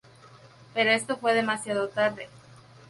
Pero esto fue demasiado tarde.